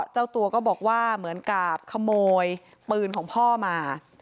เจ้าตัวก็บอกว่าเหมือนกับขโมยปืนของพ่อมา